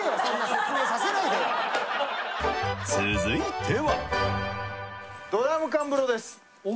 続いては。